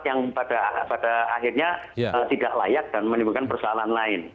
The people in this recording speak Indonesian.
yang pada akhirnya tidak layak dan menimbulkan persoalan lain